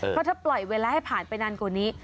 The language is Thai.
เพราะถ้าปล่อยเวลาให้ผ่านไปนานกว่านี้